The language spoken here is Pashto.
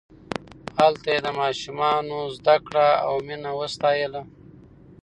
هلته یې د ماشومانو زدکړه او مینه وستایله.